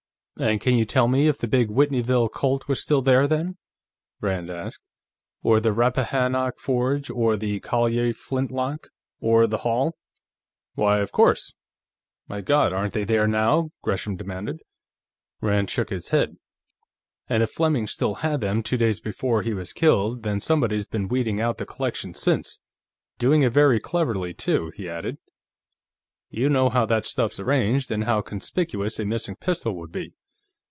"And can you tell me if the big Whitneyville Colt was still there, then?" Rand asked. "Or the Rappahannock Forge, or the Collier flintlock, or the Hall?" "Why, of course ... My God, aren't they there now?" Gresham demanded. Rand shook his head. "And if Fleming still had them two days before he was killed, then somebody's been weeding out the collection since. Doing it very cleverly, too," he added. "You know how that stuff's arranged, and how conspicuous a missing pistol would be.